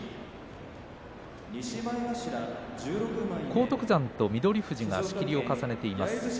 荒篤山と翠富士仕切りを重ねています。